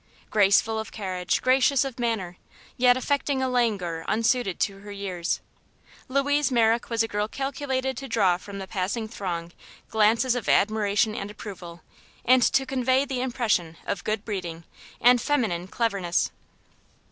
Graceful of carriage, gracious of manner, yet affecting a languor unsuited to her years, Louise Merrick was a girl calculated to draw from the passing throng glances of admiration and approval, and to convey the impression of good breeding and feminine cleverness.